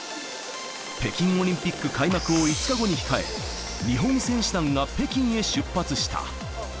北京オリンピック開幕を５日後に控え、日本選手団が北京へ出発した。